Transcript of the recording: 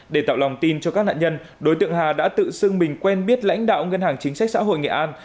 để tạo lòng tin cho các nạn nhân đối tượng hà đã tự xưng mình quen biết lãnh đạo ngân hàng chính sách xã hội nghệ an